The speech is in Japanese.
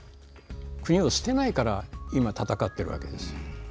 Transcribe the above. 国を捨てないから今戦っているわけです。